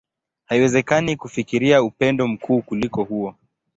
Haiwezekani kufikiria upendo mkuu kuliko huo.